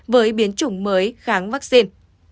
với biến chủng mới kháng vaccine